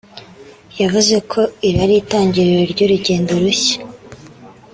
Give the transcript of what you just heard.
yavuze ko iri ari itangiriro ry’urugendo rushya